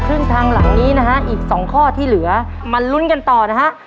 ครึ่งทางหลังนี้นะฮะอีก๒ข้อที่เหลือมาลุ้นกันต่อนะฮะ